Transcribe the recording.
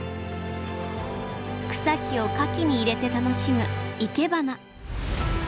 草木を花器に入れて楽しむいけばな。